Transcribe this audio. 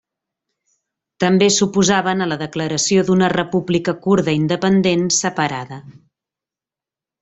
També s'oposaven a la declaració d'una república kurda independent separada.